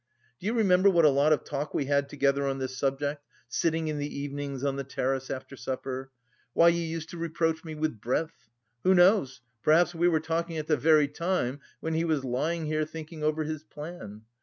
Do you remember what a lot of talk we had together on this subject, sitting in the evenings on the terrace after supper? Why, you used to reproach me with breadth! Who knows, perhaps we were talking at the very time when he was lying here thinking over his plan.